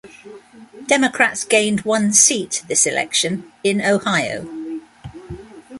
Democrats gained one seat this election in Ohio.